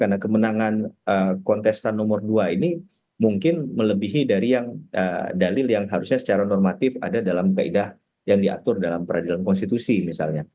karena kemenangan kontestan nomor dua ini mungkin melebihi dari yang dalil yang harusnya secara normatif ada dalam keedah yang diatur dalam peradilan konstitusi misalnya